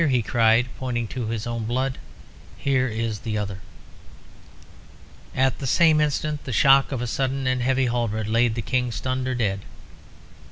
he cried, pointing to his own blood "here is the other." At the same instant the shock of a sudden and heavy halberd laid the King stunned or dead.